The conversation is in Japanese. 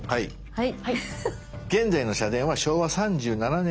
はい。